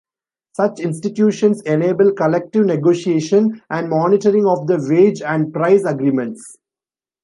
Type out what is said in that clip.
Such institutions enable collective negotiation and monitoring of the wage and price agreements.